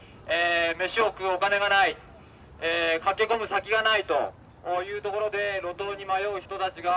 飯を食うお金がない駆け込む先がないというところで路頭に迷う人たちが増えている。